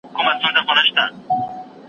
هغه په بڼ کي کار کاوه.